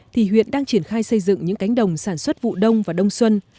thì huyện đang triển khai xây dựng những cánh đồng sản xuất vụ đông và đông xuân